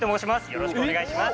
よろしくお願いします